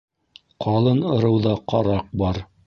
Ҡалын ырыуҙа ҡараҡ бар.